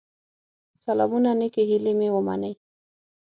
سلامونه نيکي هيلي مي ومنئ